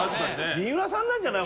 三浦さんなんじゃない？